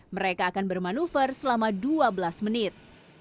mereka akan bermanuver selama dua belas menit